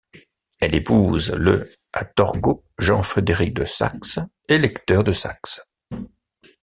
Elle épouse le à Torgau Jean-Frédéric de Saxe, électeur de Saxe.